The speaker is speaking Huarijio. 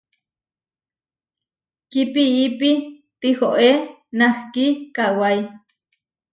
Kipiipi tihoé nahki kawái.